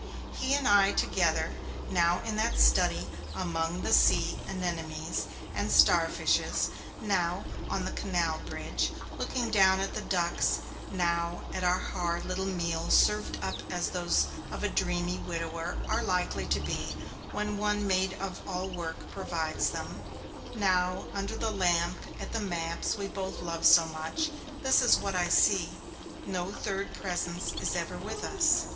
He and I together, now in the study among the sea anemones and starfishes; now on the canal bridge, looking down at the ducks; now at our hard little meals, served up as those of a dreamy widower are likely to be when one maid of all work provides them, now under the lamp at the maps we both loved so much, this is what I see no third presence is ever with us.